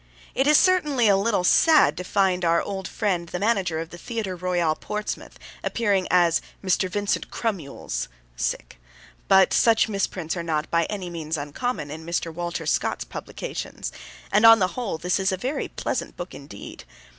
It is certainly a little sad to find our old friend the manager of the Theatre Royal, Portsmouth, appearing as 'Mr. Vincent Crumules', but such misprints are not by any means uncommon in Mr. Walter Scott's publications, and, on the whole, this is a very pleasant book indeed.